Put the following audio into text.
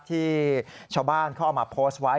ที่ชาวบ้านเขาเอามาโพสต์ไว้